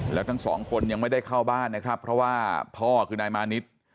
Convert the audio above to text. แล้วทั้งสองคนยังไม่ได้เข้าบ้านนะครับเพราะว่าพ่อคือนายมานิด